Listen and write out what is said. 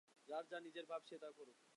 যার যা নিজের ভাব, সে তা করুক।